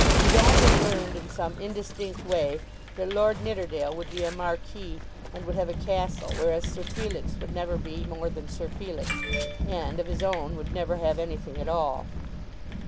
Didon had learned in some indistinct way that Lord Nidderdale would be a marquis and would have a castle, whereas Sir Felix would never be more than Sir Felix, and, of his own, would never have anything at all.